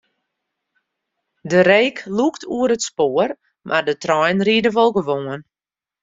De reek lûkt oer it spoar, mar de treinen ride wol gewoan.